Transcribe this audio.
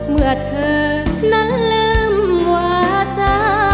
เมื่อเธอนั้นลืมวาจา